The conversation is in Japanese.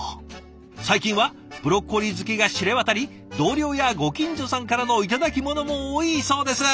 最近はブロッコリー好きが知れ渡り同僚やご近所さんからの頂き物も多いそうです。